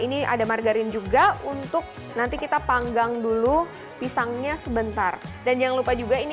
ini ada margarin juga untuk nanti kita panggang dulu pisangnya sebentar dan jangan lupa juga ini